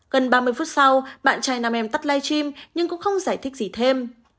gần ba mươi phút sau bạn trai nam em tắt live nhưng cũng không giải thích gì thêm